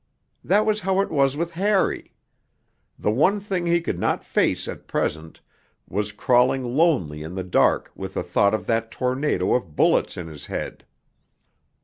That was how it was with Harry. The one thing he could not face at present was crawling lonely in the dark with the thought of that tornado of bullets in his head.